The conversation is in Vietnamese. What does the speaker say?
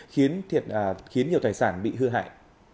khiến nhiều tài sản bị hư hại